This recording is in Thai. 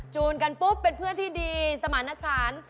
จูนกันปุ๊บเป็นเพื่อนที่ดีสมารณชาญ